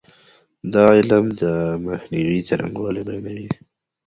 دا علم د مخنیوي څرنګوالی بیانوي.